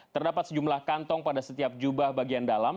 terdapat sejumlah kantong pada setiap jubah bagian dalam